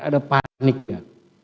dia ada panik ya